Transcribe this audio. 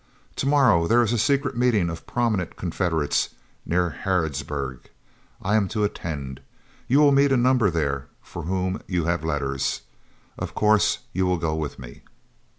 To morrow there is a secret meeting of prominent Confederates near Harrodsburg. I am to attend. You will meet a number there for whom you have letters. Of course you will go with me?"